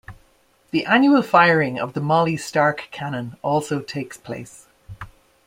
The annual firing of the Molly Stark cannon also takes place.